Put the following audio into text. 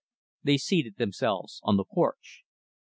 They seated themselves on the porch.